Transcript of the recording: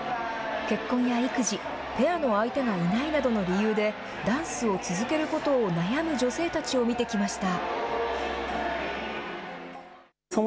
結婚や育児ペアの相手がいないなどの理由でダンスを続けることを悩む女性たちを見てきました。